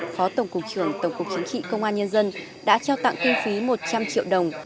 phó tổng cục trưởng tổng cục chính trị công an nhân dân đã trao tặng kinh phí một trăm linh triệu đồng